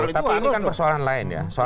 tapi ini kan persoalan lain ya